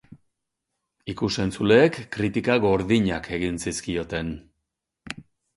Ikus-entzuleek kritika gordinak egin zizkioten.